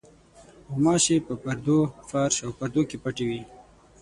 غوماشې په پردو، فرش او پردو کې پټې وي.